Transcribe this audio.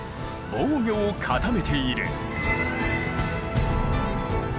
防御を固めている。